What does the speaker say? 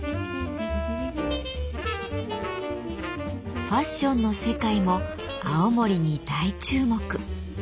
ファッションの世界も青森に大注目。